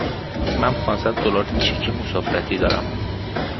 من پانصد دلار چک مسافرتی دارم.